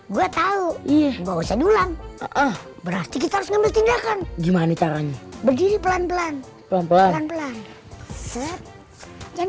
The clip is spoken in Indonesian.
gue tahu iya usah dulang berarti kita harus ngambil tindakan gimana caranya berdiri pelan pelan pelan pelan